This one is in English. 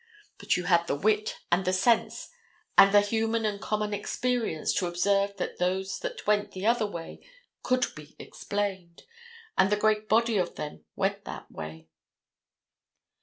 But you had the wit and the sense and the human and common experience to observe that those that went the other way could be explained, and the great body of them went that way.